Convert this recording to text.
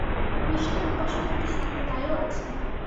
কৃষ্ণের উপাসক একটি সম্প্রদায়ও আছে।